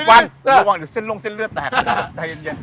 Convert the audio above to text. ระวังเดี๋ยวเส้นลงเส้นเลือดแตก